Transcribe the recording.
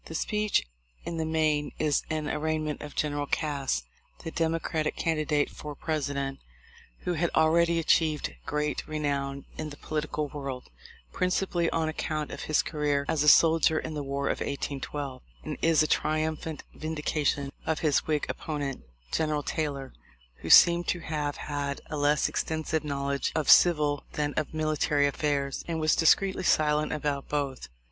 The speech in the main is an arraignment of General Cass, the Democratic candidate for President, who had already achieved great renown in the political world, principally on account of his career as a soldier in the war of 1812, and is a triumphant vin dication of his Whig opponent, General Taylor, who seemed to have had a less extensive knowledge of civil than of military affairs, and was discreetly silent about both.